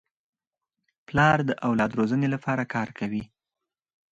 پلار د اولاد د روزني لپاره کار کوي.